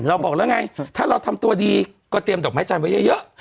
บอกแล้วไงถ้าเราทำตัวดีก็เตรียมดอกไม้จันทร์ไว้เยอะ